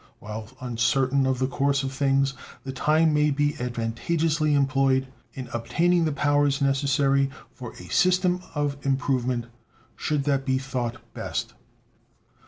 While uncertain of the course of things, the time may be advantageously employed in obtaining the powers necessary for a system of improvement, should that be thought best.